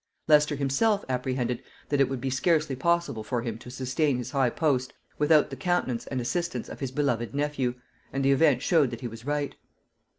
Leicester himself apprehended that it would be scarcely possible for him to sustain his high post without the countenance and assistance of his beloved nephew; and the event showed that he was right.